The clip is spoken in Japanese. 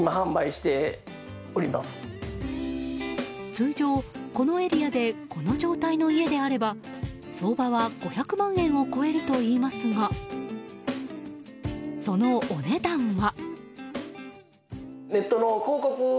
通常、このエリアでこの状態の家であれば相場は５００万円を超えるといいますがそのお値段は。